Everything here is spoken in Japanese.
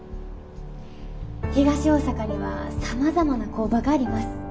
東大阪にはさまざまな工場があります。